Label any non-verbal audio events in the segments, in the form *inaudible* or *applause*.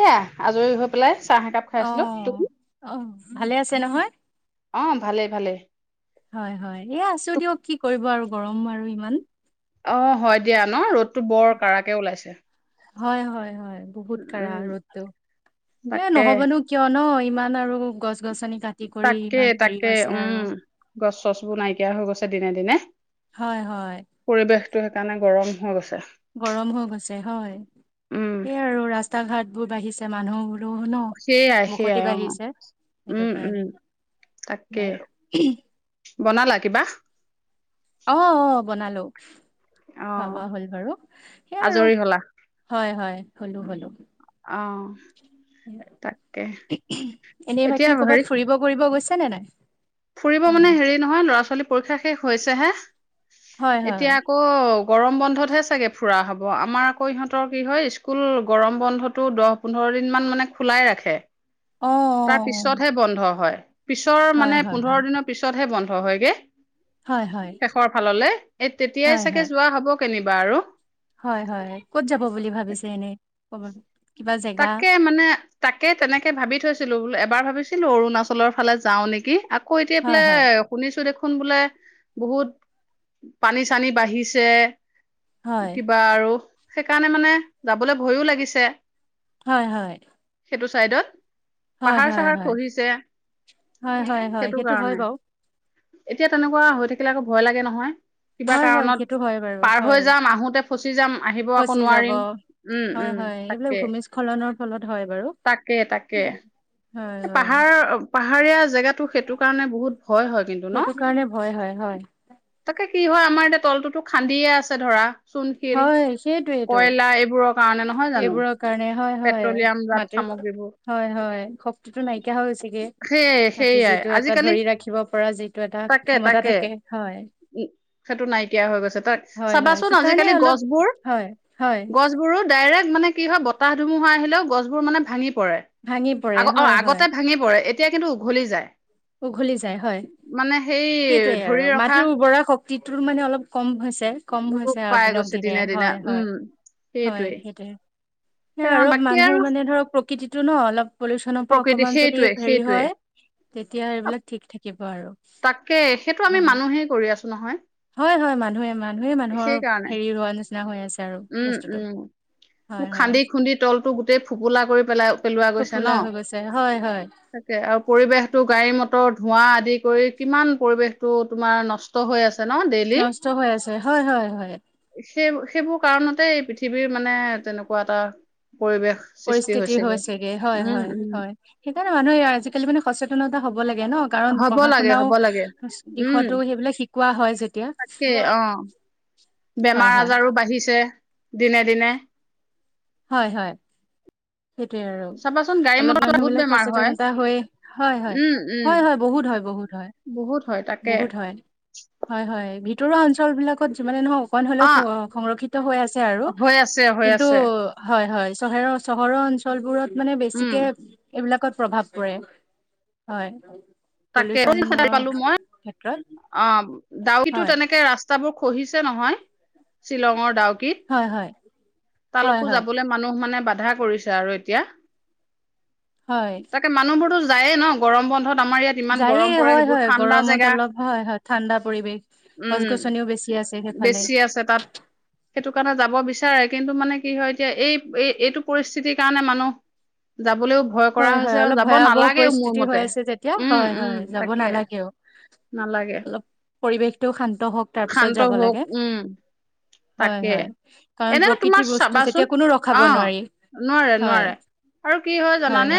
এয়া আজৰি হৈ পেলাই চাহ একাপ খাইছিলোঁ, অ', তুমি? অ', ভালে আছে নহয় ভালেই ভালেই হয় হয় এ আছো দিয়ক কি কৰিব আৰু গৰম আৰু ইমান অ হয় দিয়া ন ৰ'দতটো বৰ কাৰাকে ওলাইছে হয় হয় হয় বহুত উম কা়ৰা উম ৰ'দটো, এ তাকে নহ'বনো কিয় ন ইমান আৰু গছ গছনি কাটি কৰি তাকে ইমান হেৰি তাকে হৈছে আৰু। উম গছ-চছবোৰ নাইকিয়া হৈ গৈছে দিনে দিনে। হয়, হয় টো সেইকাৰণে গৰম হৈ গৈছে গৰম হৈ গৈছে হয় উম স আৰু ৰাস্তা ঘাট বোৰ বাঢ়িছে মানুহবোৰ ৰৌ ন সেইয়াই মুখতি সেইয়াই অ বাঢ়িছে সেইটো উম উম তাকে কাৰণে। *inaudible* বনালা কিবা? অ অ বনালো অ খোৱা- বোৱা হ'ল বাৰু, সেয়া আৰু আজৰি হলা হয় হয় হলোঁ হলোঁ অ তাকে এনেই এতিয়া বাকী হেৰি কৰ'বাত ফুৰিব কৰিব গৈছা নে নাই? ফুৰিব মানে হেৰি নহয় ল'ৰা ছোৱালী পৰীক্ষা শেষ হৈছেহে হয় এতিয়া হয় আকৌ গৰম বন্ধতহে চাগে ফুৰা হ'ব আমাৰ আকৌ ইহঁতৰ কি হয় স্কুল গৰম বন্ধটো দহ, পোন্ধৰ দিন মান মানে খোলাই ৰাখে অ অ তাৰ পিছতহে বন্ধ হয়। পিছৰ হয় মানে হয় পোন্ধৰ হয় দিনৰ পিছতহে বন্ধ হয়গে হয় হয় শেষৰ ফাললে এ তেতিয়াই হয় চাগে যোৱা হ'ব কেনিবা আৰু। হয় হয় ক'ত যাব বুলি ভাবিছে এনেই কব। কিবা জেগা তাকে মানে তাকে তেনেকে ভাবি থৈছিলোঁ বোলোঁ এ এবাৰ ভাবিছিলোঁ অৰুণাচলৰ ফালে যাও নেকি, আকৌ এতিয়া হয় এইফালে হয় শুনিছোঁ দেখোন *unintelligible* কোন বোলে বহুত পানী-চানী বাঢ়িছে। হয় কিবা আৰু সেইকাৰণে মানে যাবলৈ ভয়ো লাগিছে। হয় হয় সেইটো চাইডত হয় হয় পাহাৰ-চাহাৰ হয় খহিছে হয় হয় হয় সেইটো হয় কাৰণে। বাৰু এতিয়া তেনেকুৱা হৈ থাকিলে আকৌ ভয় লাগে নহয়। কিবা হয় হয় কাৰণত সেইটো হয় বাৰু পাৰ হয় হৈ যাম আহোতে ফচি যাম, আহিব আকৌ ফচি যাব নোৱাৰিম। উম হয় উম হয় এইবিলাক ভূমিস্খলনৰ ফলত হয় বাৰু তাকে- তাকে হয় হয় পাহাৰ -পাহাৰীয়া জেগাটো সেইটো কাৰণে বহুত ভয় হয় কিন্তু ন? সেইটো কাৰণে ভয় হয় হয় তাকে কি হয় আমাৰ এতিয়া তলটোতো খান্দিয়ে আছে ধৰা চূণশিল হয়, সেইটোৱেইটো। কয়লা এইবোৰৰ কাৰণে নহয় জানো এইবোৰৰ কাৰণে হয়- হয় পেট্ৰলিয়াম জাত মাটিৰ সামগ্ৰীবোৰ হয় -হয় খ টো নাইকিয়া হৈ গৈছেগে সেয়ে ৰাতি সেয়াই যিটো এটা আজিকালি ধৰি ৰাখিব পৰা যিটো এটা ক্ষমতা থাকে হয়। উম, সেইটো নাইকিয়া হৈ গৈছে তাৰ হয় হয় চাবাচোন সেইকাৰণে আজিকালি অলপ গছবোৰ- হয় হয় গছবোৰো ডাইৰেক্ট মানে কি হয় বতাহ ধুমুহা আহিলও গছবোৰ মানে ভাঙি ভাঙি পৰে। অহ, হয় হয় আগতে ভাঙি পৰে এতিয়া কিন্তু উঘলি যায়। উঘলি যায় হয়, মানে সেই সেইটোয়ে ধৰি আৰু ৰখা মাটিৰ উৰ্বৰা শক তিটো মানে অলপ কম হৈছে। কম ৰূপ হৈছে আৰু পাই দিনক গৈছে দিনে হয়- উম হয়-হয় সেইটোৱে। সেয়া সেইকাৰণে অলপ বাকী মানুহ আৰু মানে ধৰক প্ৰকৃতিটো ন অলপ পলি চনৰ পা প্ৰকৃতি অকমান যদি সেইটোৱে হেৰি সেইটোৱে হয় তেতিয়া এইবিলাক ঠিক থাকিব আৰু তাকে সেইটো আমি হয় মানুহেই কৰি আছো নহয়। হয় -হয় মানুহে -মানুহে মানুহৰ সেইকাৰণে হেৰি হোৱা নিচি আৰু উম বস্তুতটো উম মোক খান্দি- খুন্দি তলটো গোটেই ফোপোলা কৰি পেলাই পেলোৱা গৈছে ফোফোলা হৈ ন'? গৈছে হয় হয় তাকে আৰু পৰিৱেশটো গাড়ী মটৰ ধোঁৱা আদি কৰি কিমান পৰিৱেশটো তোমাৰ নষ্ট হৈ আছে। ন ডেইলি নষ্ট হৈ আছে হয় হয় হয় সেই - সেইবোৰ কাৰণতে পৃথিৱীৰ মানে তেনেকুৱা এটা পৰিৱেশ সৃষ্টি পৰিস্থিতি হৈছেগে হয়- উম, উম, হয়-হয় সেইকাৰণে মানুহে আজিকালি মানে সচেতনত লাগে ন'কাৰণ হ'ব পঢ়া- লাগে, শুনাও হ'ব লাগে। উম, দিশতো সেইবিলাক শিকোৱা হয় যেতিয়া তাকেই অ', হয় বেমাৰ হয় -আজাৰো বাঢ়িছে দিনে-দিনে হয়- হয়। সেইটোয়ে আৰু চাবাচোন গাড়ী অলপ মটৰত মানুহ বহুত বিলাক বেমাৰ হয়। সচেতনতা হৈ হয়-হয় উম, উম, -হয়- হয় বহুত হয়। বহুত হয়। বহুত হয় তাকে বহুত হয় হয়- হয় ভিত ভিতৰুৱা অঞ্চল বিলাকত যিমানে নহয় অকণ হ'লেও অ', সংৰক্ষিত হৈ আছে আৰু, হৈ আছে, হৈ কিন্তু আছে। হয় -হয় চহৰৰ -চহৰৰ অঞ্চলবোৰত মানে উম, বেছিকে এইবিলাকত প্ৰভাৱ পৰে হয়। তাকে পলিউচনৰ *unintelligible* পালোঁ মই ক্ষেত্ৰত অহ। ডাউকীটো হয় তেনেকে ৰাস্তাবোৰ খহিছে নহয় শ্বিলঙৰ ডাউক কি হয় হয় হয় তালকো হয় যাবলৈ মানুহ মানে বা বাধা কৰিছে আৰু এতিয়া হয় তাকে মানুহবোৰতো যায়ে ন ' গৰম বন্ধত আমাৰ ইয়াত ইমান যায়ে গৰম পৰে হয় সেইবোৰ -হয় ঠাণ্ডা গৰমত জেগা অলপ হয় -হয় ঠাণ্ডা পৰিৱেশ গছ- উম গছনিও বেছি আ বেছি আছে তাত সেইটো কাৰণে যাব বিচ বিচাৰে কিন্তু মানে কি হয় এতিয়া এই -এই এইটো পৰিস্থিতিৰ কাৰণে মানুহ যাবলৈও ভয় কৰা হয় হয় হৈছে আৰু অলপ যাব ভয়াৱহ নালাগেও মোৰ পৰিস্থিতি হৈ মতে আছে যেতিয়া উম- হয় উম হয় যাব তাকে নালাগে। পৰিৱেশটোও শান্ত হওক তাৰপিছত শান্ত যাব হওক লাগে। উম হয় তাকে -হয় কাৰণ এনেও তোমাৰ প্ৰকৃতিৰ বস্তু চাবাচোন যেতিয়া কোনো ৰখাব অ নোৱাৰি। নোৱাৰে- হয় নোৱাৰে আৰু কি হয় জানানে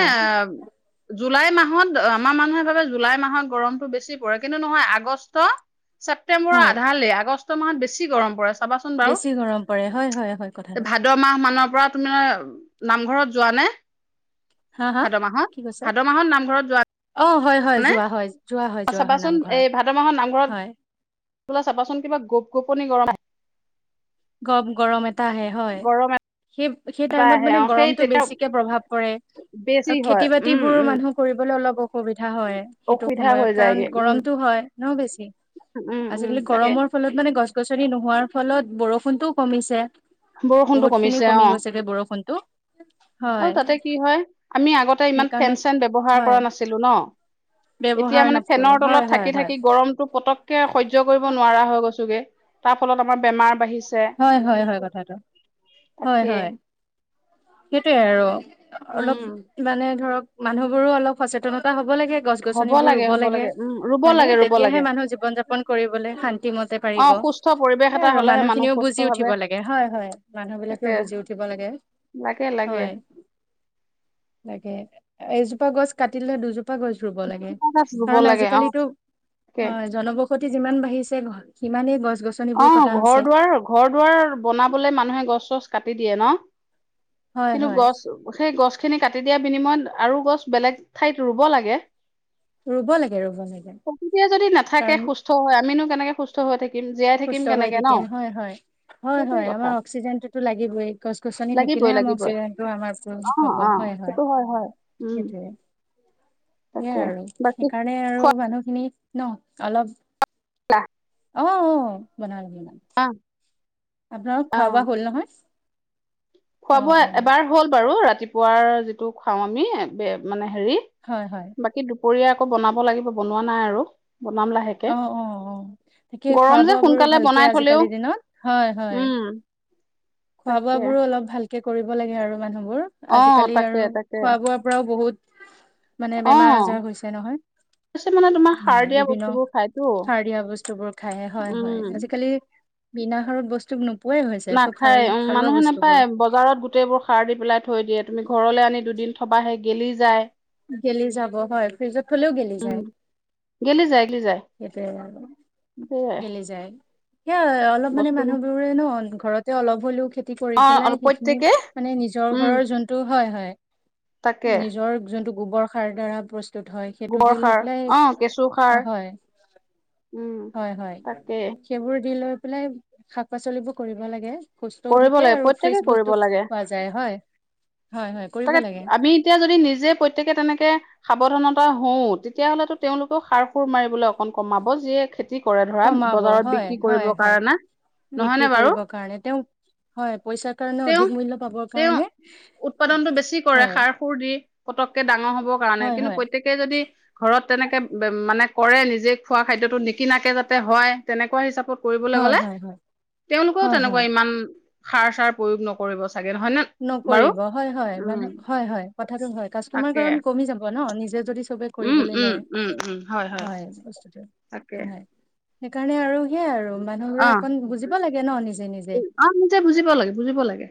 জুলাই মাহত আমাৰ মানুহে ভাবে জুলাই মাহত গৰমটো বেছি পৰে কিন্তু নহয় আগষ্ট ছেপ্তেম্বৰৰ হয় আধালে আগষ্ট মাহত বেছি গৰম পৰে চাবাচোন বাৰু বেছি গৰম পৰে হয় হয় হয় কথাটো ভাদ মাহ মানৰ পৰা তুমি নামঘৰত যোৱা নে হা হা ভাদ মাহত, কি কৈছে ভাদ মাহত নামঘৰত যোৱা অ হয় হয় নে যোৱা হয়, যোৱা হয়, যোৱা হয় নামঘৰত হয়। ওলাই চাবাচোন কিবা গপ-গপনি গৰম আহ গম গৰম এটা আহে হয় গৰম সেই সেই এটা টাইমত আহে মানে অ সেই গৰমটো তেতিয়া বেছিকে প্ৰভাৱ পৰে বেছি আৰু হয় খেতি উম বাতিবোৰ উম মানুহ কৰিব অলপ অসুবিধা হয় সেইটো অসুবিধা হৈ সময়ত কাৰণ যায়গে উম গৰমতো হয় ন বেছি উম, উম, আজিকালি তাকে গৰমৰ ফলত মানে গছ গছনি নোহোৱাৰ ফলত বৰষুণতটোও কমিছে। বৰষুণটো বহুত খিনি কমিছে অ, কমি গৈছেগে বৰষুণটো হয় আৰু তাতে কি হয় আমি আগতে ইমান সেইকাৰণে ফেন চেন ব্যৱহাৰ হয় কৰা নাছিলোঁ ন এতিয়া ব্যৱহাৰ মানে নকৰো ফেনৰ তলত হয় হয় থাকি হয় থাকি গৰমতো পতক কে সহ্য কৰিব নোৱাৰা হয় গৈছোগে তাৰ ফলত আমাৰ বেমাৰ বাঢ়ি হয়, হয়, হয় কথাটো হয়, তাকে হয় সেইটোৱে আৰু। অলপ উম। মানে ধৰক মানুহ বোৰো অলপ সচেতনতা হ ব লাগে গছ- গছনি হ'ব ৰোব হ'ব লাগে উম, ৰুব হয় নে লাগে ৰুব তেতিয়া লাগে। মানুহ জীৱন যাপন কৰিবলে শান্তি মতে পাৰি অ, ব সুস্থ পৰিৱেশ সেয়ে এটা আৰু হলেহে মানুহ খিনিও সুস্থ বুজি উঠিব ভাৱে লাগে হয় হয় মানুহ বিলাকেও তাকে বুজি উঠিব লাগে লাগে লাগে তাকে এজোপা গছ কাটিলে দুজোপা পা গছ ৰুব লাগে গছ ৰুব কাৰণ লাগে অ, আজিকালিতো তাকে। হয় জনবসতি যিমান বাঢ়িছে ঘ সিমানেই বস্তু অ ঘৰ দুৱাৰ ঘৰ দুৱাৰ বনাবলৈ মানুহে গছ চছ কাটি দিয়ে ন- হয় কিন্তু হয় গছ সেই গছ গছ খিনি কাটি দিয়া বিনিময়ত আৰু গছ বেলেগ ঠাইত ৰুব লাগে ৰুব লাগে ৰুব লাগে প্ৰকৃতিয়ে যদি নাথাকে কাৰণ সুস্থ হয় আমিনো কেনেকে সুস্থ হৈ থাকিম জীয়াই থাকিম সুস্থ হৈ কেনেকে ন। থাকিম হয় হয় হয় সেইটোৱে হয় কথা আমাৰ অক্সিজেনটোতো লাগিবই গছ গছনি থাকিলে লাগিবই লাগিবই টো আমাৰো অ হ'ব অ হয় হয় সেইটো হয় উম সেইটোৱে তাকে সেইয়াই আৰু বাকী সেইকাৰণে আৰু মানুহখিনিত ন অলপ খোলা? অ অ বনাল দ অ আপোনাৰ অ খোৱা বোৱা হ'ল নহয় খোৱা অ বোৱা অ এবাৰ হ'ল বাৰু ৰাতিপুৱাৰ যিটো খাওঁ আমি ব মানে- হেৰি হয় হয় বাকী দুপৰীয়া আকৌ বনাব লাগিব বনোৱা নাই আৰু- মামলা হেকে অ অ অ তাকে খোৱা গৰম যে বোৱাবোৰো সোনকালে ভালকে বনাই থলেও আজিকালি দিনত হয় হয় উম- খোৱা বোৱ তাকে বোৰো অলপ ভালকে কৰিব লাগে আৰু- মানুহবোৰ অ আজিকালি তাকে আৰু তাকে খোৱা বোৱাৰ পৰাও বহুত- মানে বেমাৰ অ আজাৰ হৈছে নহয়। বেছি মানে তোমাৰ সাৰ হয় দিয়া বিভিন্ন বস্তুবোৰ খায়তো। সাৰ দিয়া বস্তুবোৰ খায় হয় হয় উম, আজিকালি- বিনা সাৰত বস্তু নোপোৱাই হৈছে চব- হাই সাৰ সাৰুৱা মানুহে বস্তুবোৰ নেপায় বজাৰত গোটেই বোৰ সাৰ দি পেলাই থ থৈ দিয়ে তুমি ঘৰলৈ আনি দুদিন থবাহে গেলি যায় গেলি যাব হয় ফ্ৰিজত থলেও গেলি উম, যায়। গেলি যায় গেলি যায় সেইটয়ে আৰু সেয়াই গেলি যায় সেয়া অলপ মানে বস্তুবোৰ মানুহবোৰে ন ঘৰতে অলপ হলেও খেতি কৰি অ', অ', পেলাই সেইখিনি প্ৰত্যেকে মানে নিজৰ জৰ উম, ঘৰৰ যোনটো হয় তাকে হয় নিজৰ যোনটো গোবৰ সাৰ দ্বাৰা প্ৰ স্তুত হয় সেইটো গোবৰ দি লৈ সাৰ পেলাই অ', কেঁচু সাৰ হয় উম, হয় হয় তাকে সেইবোৰ দি লৈ পেলাই শাক পাচলিবোৰ কৰিব লাগে সুস্থও কৰিব থাকে লাগে আৰু প্ৰত্যেকে ফ্ৰেচ কৰিব বস্তু লাগে। পোৱা যায় হয় হয় হয় কৰিব তাকে লাগে আমি এতিয়া যদি নিজে প্ৰত্যেকে তেনেকে সাৱধানতা হওঁও তেতিয়াহ'লেতো তেওঁলোকেও সাৰ সুৰ মাৰিবলৈ অকন কমাব। যিয়ে, কৰে ধৰা কমাব বজাৰত হয় বিক্ৰী হয় কৰিব হয় কাৰণে বিক্ৰী নহয়নে বাৰু- কৰিবৰ কাৰণে তেওঁ হয় পইচাৰ কাৰণে তেওঁ অধিক মূল্য পাবৰ তেওঁ কাৰণে উৎপাদনটো বেছি কৰে হয় সাৰ সুৰ দি পটককে ডাঙৰ হবৰ কাৰণে হয় কিন্তু হয় প্ৰত্যয়েকেই যদি ঘৰত তেনেকে মানে কৰে নিজে খোৱা খাদ্যয়তো নিকিনাকে যাতে হয় তেনেকুৱা হিচাপত কৰিবলৈ হয় গলে হয় হয় তেওঁলোকেও হয় তেনেকুৱা হয় ইমান সাৰ চাৰ প্ৰয়োগ নকৰিব চাগে নহয় নে বাৰু? নকৰিব হয় হয় উম মানুহ হয় হয় কথাটো হয় কাষ্টমাৰ তাকে কাৰণ কমি যাব ন নি উম উম উম উম হয় হয় তাকে হয় সেইকাৰণে আৰু সেয়াই আৰু অ মানুহবোৰে অকণ বুজিব লাগে ন নি অ নিজে বুজিব লাগে বুজিব লাগে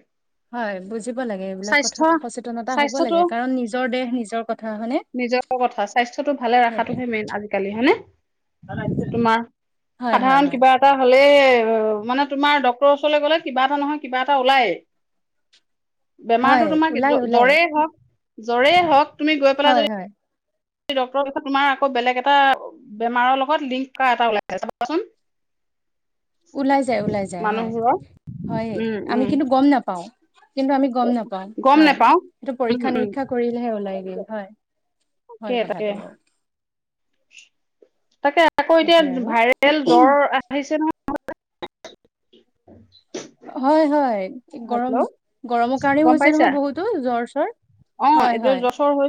হয় বুজিব লাগে এইবিলাক স্বাস্থ্য কথাত সচেতনতা হ'ব স্বাস্থ্যটো লাগে কাৰণ নিজৰ দেহ নিজৰ কথা হনে নিজৰ কথা স্বাস্থ্যটো ভালে ৰখাটোহে মেইন আজিকালি হয়নে? তোমাৰ হয় হয় সাধাৰণ হয় কিবা এটা হ'লে মানে তোমাৰ ডক্টৰ ওচৰলৈ গ'লে কিবা এটা নহয় কিবা এটা ওলাই। বেমাৰতো হয় তোমাক ওলাই ওলাই জ্বৰে হওক জ্বৰেই হওক তুমি- হয় হয়। ডক্টৰৰ ক তোমাৰ আকৌ বেলেগ এটা বেমাৰৰ লগত লিংক কৰা এটা ওলাইছে চাবাচোন *inaudible* ওলাই যায় ওলাই যায় হয় মানুহবোৰৰ হয়ে উম আমি উম কিন্তু গম নাপাও। কিন্তু আমি গম নাপাও গম হয় নোপাও এইটো উম পৰীক্ষা উম নিৰীক্ষা কৰিলেহে ওলাই গে হয়। হয় তাকে কথাটো তাকে তাকে আকৌ এতিয়া সেইটোৱে আৰু ভাইৰেল জ্বৰ আহিছে নহয় অ হয় হয় গৰম গৰমৰ কাৰণেও গম হৈছে পাইছা নহয় বহুতো জ্বৰ চৰ অ হয় এইটো হয় জচৰ হৈ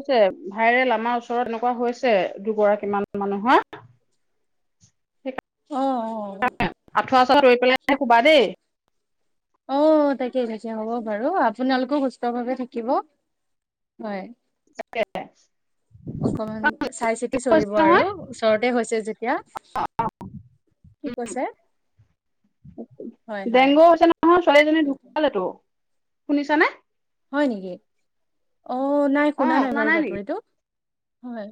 ভাইৰেল আমাৰ ওচৰত এনেকুৱা হৈছে দুগৰাকীমান মানুহৰ- স অ অ আঠুৱা চাঠুৱা তৰি পেলাই শুবা দেই- অ তাকে তাকে হ'ব বাৰু আপোনালোকে সুস্থ ভাৱে থাকিব। হয় তাকে অকমান চাই চিতি কৈছে চলিব নহয় আৰু ওচৰতে হৈছে যেতিয়া কি কৈছে? হয় হয় ডেংগু হৈছে নহয় ছোৱালীজনী ডোকালেতো শুনিছানে। হয় নেকি অ নাই শুনা নাই বাৰু বাতৰিটো হয়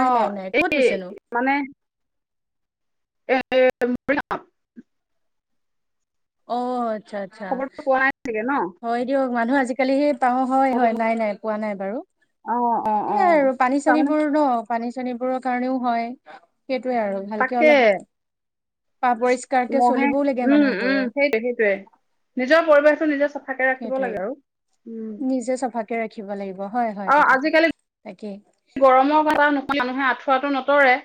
অ নাই নাই কত এই হৈছেনো? মানে এ অ আচ্ছা আচ্ছা খবৰটো পোৱা নাই চাগে ন হয় দিয়ক মানুহ আজিকালি সে পাওঁ হয় হয় খবৰটো নাই নাই পোৱা নাই বাৰু অ অ অ এইয়াই আৰু পানী তাৰমানে চানীবোৰ ন পানী চনীবোৰৰ কাৰণেও হয়- সেইটোৱে আৰু ভালকে তাকে অলপ পা পৰিষ্কাৰকে মহে চলিবও লাগে উম উম মানুহবোৰে সেইটোৱে সেইটয়ে নিজৰ পৰিৱেশ সেইটোৱে নিজে চাফাকে ৰাখিব লাগিব হয় হয় অ কথাটো আজিকালি তাকেই গৰমৰ কাৰণে নোহোৱে মানুহে আঁঠ থোৱাটো নতৰে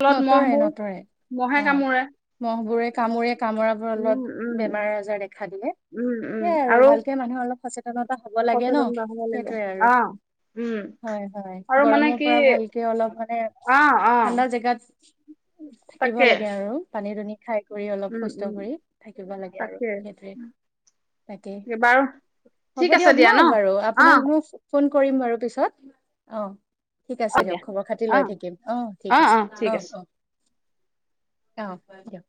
ফলত নটৰে মহবোৰ নতৰে মহে অ কামোৰে মহ বোৰে কামোৰে কামোৰাবোৰ অলপ উম উম বেমাৰ আজাৰ দেখা দিলে উম উম সেইয়াই আৰু ভালকে মানুহৰ অলপ সচেতনতা হব লাগে ন সচেতনতা হ'ব লাগিব সেইটোৱে আৰু- অ উম হয় আৰু মানে গৰমৰ কি পৰা ভালকে অলপ মানে অ অ ঠাণ্ডা জেগাত থাকিব তাকে লাগে আৰু পানী দুনি খাই কৰি অলপ উম সুস্থ উম কৰি থাকিব লাগে আৰু তাকে সেইটোৱে। তাকেই বাৰু হ'ব ঠিক আছে দিয়ক ন দিয়া বাৰু অ আপোনাক মোক ফোন কৰিম বাৰু পিছত অ ঠিক অ আছে দিয়ক দিয়া খবৰ খাতি অ লৈ থাকিম অ ঠিক আছে। আহ অ আহ দিয়ক